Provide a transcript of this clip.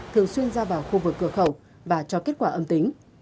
thường xuyên ra vào khu vực cửa khẩu và cho kết quả âm tính